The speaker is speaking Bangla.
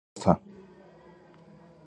দেখ নিজের অবস্থা।